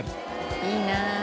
いいな。